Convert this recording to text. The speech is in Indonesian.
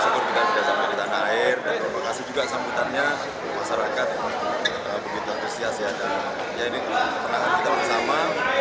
terima kasih juga sambutannya masyarakat begitu agresif ya ini perang kita bersama